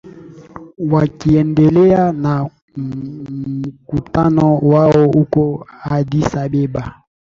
wakiendelea na mkutano wao huko addis ababa